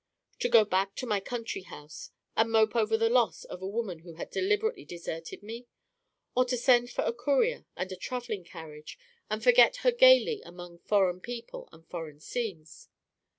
To go back to my country house, and mope over the loss of a woman who had deliberately deserted me? or to send for a courier and a traveling carriage, and forget her gayly among foreign people and foreign scenes?